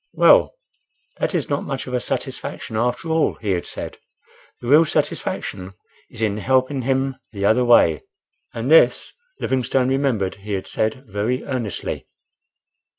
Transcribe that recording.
"Well, that is not much of a satisfaction after all," he had said; "the real satisfaction is in helping him the other way;"—and this Livingstone remembered he had said very earnestly.